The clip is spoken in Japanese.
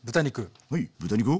ほい豚肉を。